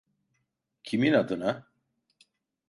Kimin adına?